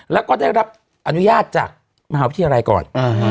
แล้วก็ได้รับอนุญาตจากมหาวิทยาลัยก่อน